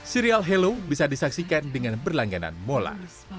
serial halo bisa disaksikan dengan berlangganan mola